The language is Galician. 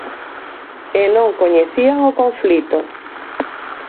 E non coñecían o conflito.